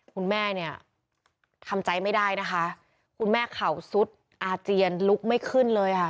คุณแม่เนี่ยทำใจไม่ได้นะคะคุณแม่เข่าซุดอาเจียนลุกไม่ขึ้นเลยค่ะ